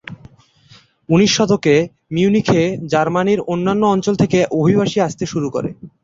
উনিশ শতকে, মিউনিখে জার্মানির অন্যান্য অঞ্চল থেকে অভিবাসী আসতে শুরু করে।